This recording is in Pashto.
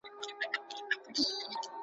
فرد په دې حالت کي ځان يوازي احساسوي.